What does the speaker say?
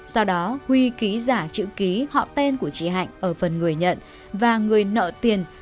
sau đó huy ký giả chữ ký họ tên của chị hạnh ở phần người nhận và người nợ tiền